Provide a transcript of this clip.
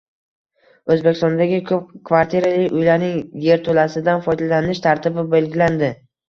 O‘zbekistondagi ko‘p kvartirali uylarning yerto‘lasidan foydalanish tartibi belgilandi